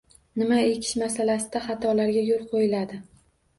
«Nima ekish» masalasida xatolarga yo‘l qo‘yiladi